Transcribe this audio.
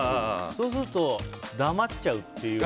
そうすると、黙っちゃうっていう。